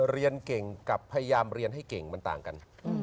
เรียนเก่งกับพยายามเรียนให้เก่งมันต่างกัน